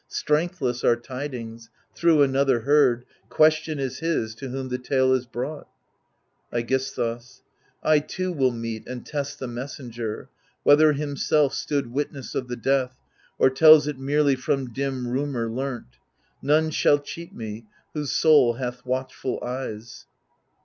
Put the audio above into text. Strengthless are tidings, thro' another heard ; Question is his, to whom the tale is brought iEGISTHUS I too will meet and test the messenger. Whether himself stood witness of the death. Or tells it merely from dim rumour learnt : None shall cheat me, whose soul hath watchftd eyes.